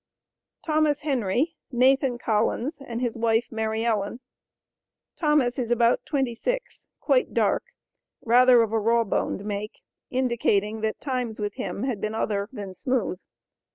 THOMAS HENRY, NATHAN COLLINS AND HIS WIFE MARY ELLEN. Thomas is about twenty six, quite dark, rather of a raw boned make, indicating that times with him had been other than smooth.